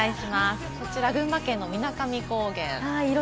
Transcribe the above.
こちら、群馬県の水上高原。